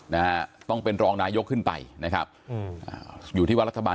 นะฮะต้องเป็นรองนายกขึ้นไปนะครับอืมอ่าอยู่ที่ว่ารัฐบาล